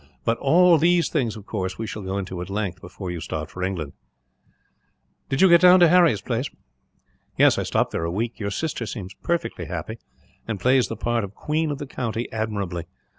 "But all these things, of course, we shall go into, at length, before you start for England." "Did you go down to Harry's place?" "Yes, I stopped there a week. Your sister seems perfectly happy, and plays the part of queen of the county admirably.